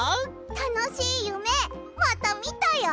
たのしいゆめまたみたよ。